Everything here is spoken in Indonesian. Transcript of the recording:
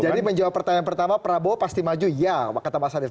menjawab pertanyaan pertama prabowo pasti maju ya kata mas arief